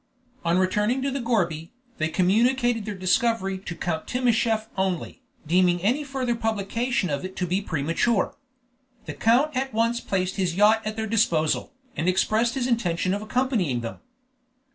On returning to the gourbi, they communicated their discovery to Count Timascheff only, deeming any further publication of it to be premature. The count at once placed his yacht at their disposal, and expressed his intention of accompanying them.